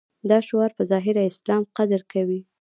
دا شعار په ظاهره اسلام قدر کوي.